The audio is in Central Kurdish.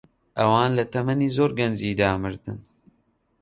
ئەوان لە تەمەنی زۆر گەنجیدا مردن.